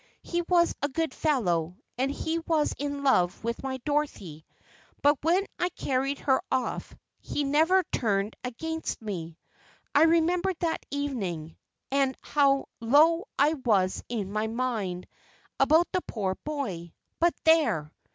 He was a good fellow, and he was in love with my Dorothy; but when I carried her off, he never turned against me. I remember that evening, and how low I was in my mind about the poor boy. But there!